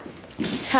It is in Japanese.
じゃあ。